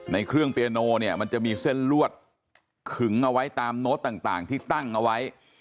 ในเครื่องเปียโนเนี่ยมันจะมีเส้นลวดขึงเอาไว้ตามโน้ตต่างที่ตั้งเอาไว้